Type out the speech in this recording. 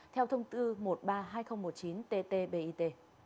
theo thông tư một trăm ba mươi hai nghìn một mươi chín ttbit